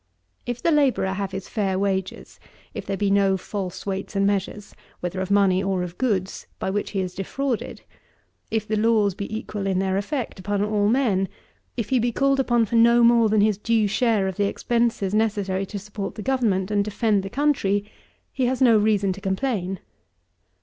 9. If the labourer have his fair wages; if there be no false weights and measures, whether of money or of goods, by which he is defrauded; if the laws be equal in their effect upon all men: if he be called upon for no more than his due share of the expenses necessary to support the government and defend the country, he has no reason to complain.